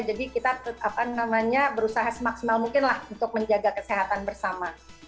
jadi kita apa namanya berusaha semaksimal mungkin lah untuk menjaga kesehatan bersama